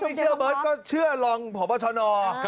ถ้าไม่เชื่อเบิร์ดก็เชื่อลองพ่อบ้าชะนอ